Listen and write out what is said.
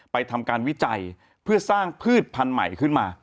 ทำการวิจัยเพื่อสร้างพืชพันธุ์ใหม่ขึ้นมา